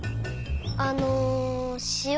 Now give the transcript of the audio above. あのしお